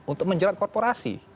untuk menjerat korporasi